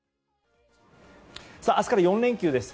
明日から４連休です。